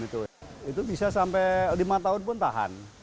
itu bisa sampai lima tahun pun tahan